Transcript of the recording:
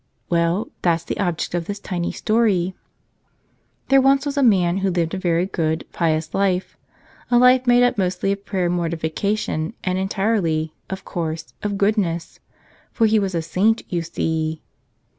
Well, that's the object of this tiny story. There once was a man who lived a very good, pious life, a life made up mostly of prayer and mortifica¬ tion and entirely, of course, of goodness. For he was a saint, you see.